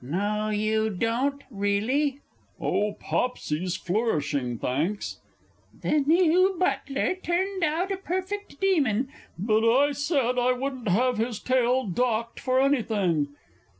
No, you don't really?... Oh, Popsy's flourishing, thanks.... The new Butler turned out a perfect demon ... but I said I wouldn't have his tail docked for anything